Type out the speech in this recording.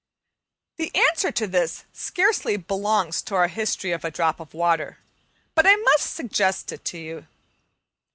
The answer to this scarcely belongs to our history of a drop of water, but I must just suggest it to you.